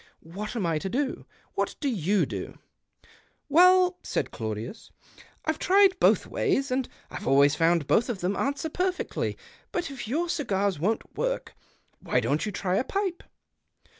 "What am I to do ? What do you do ?" "AVell," said Claudius, "I've tried both ways, and I've always found both of them answer perfectly. But if your cigars won't w^ork, why don't you try a pipe